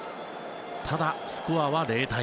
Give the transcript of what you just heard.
ただ、スコアは０対０。